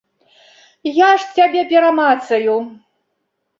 Я ж цябе перамацаю!